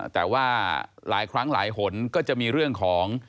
แต่ว่าหลายครั้งหลายหนก็จะมีเรื่องของ